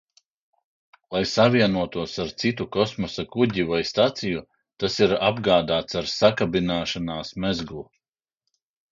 Lai savienotos ar citu kosmosa kuģi vai staciju, tas ir apgādāts ar sakabināšanās mezglu.